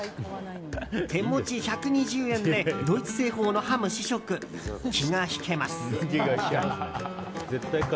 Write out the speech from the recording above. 手持ち１２０円でドイツ製法のハム試食、気が引けます。